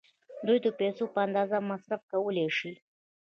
دوی د پیسو په اندازه مصرف کولای شي.